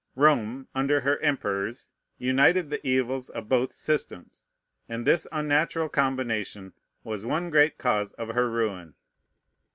Rome, under her emperors, united the evils of both systems; and this unnatural combination was one great cause of her ruin.